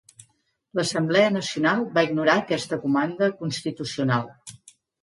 L'Assemblea Nacional va ignorar aquesta comanda constitucional.